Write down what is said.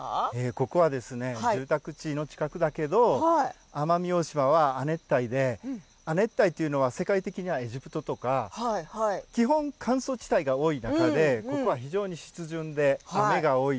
ここは住宅地の近くだけど奄美大島は亜熱帯で亜熱帯というのは世界的にはエジプトとか基本、乾燥地帯が多い中でここは非常に湿潤で雨が多い。